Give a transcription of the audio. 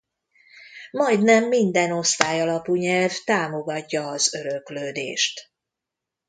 Majdnem minden osztály alapú nyelv támogatja az öröklődést.